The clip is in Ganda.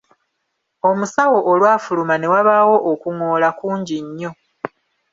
Omusawo olwafuluma ne wabaawo okungoola kungi nnyo.